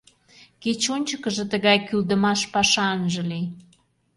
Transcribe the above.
Кеч ончыкыжо тыгай кӱлдымаш паша ынже лий.